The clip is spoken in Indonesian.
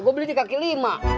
gue beli di kaki lima